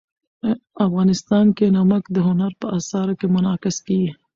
افغانستان کې نمک د هنر په اثار کې منعکس کېږي.